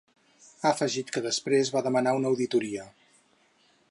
Ha afegit que després va demanar una auditoria.